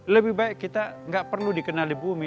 lebih baik kita nggak perlu dikenal di bumi